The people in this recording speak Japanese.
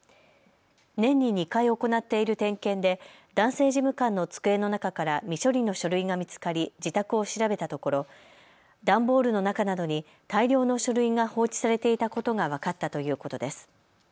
年に２回、行っている点検で男性事務官の机の中から未処理の書類が見つかり自宅を調べたところ段ボールの中などに大量の書類が放置されていたことが分かったということです。